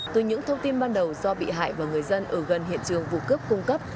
từ những thông tin ban đầu do bị hại và người dân ở gần hiện trường vụ cướp cung cấp